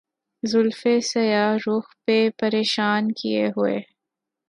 زلفِ سیاہ رُخ پہ پریشاں کیے ہوئے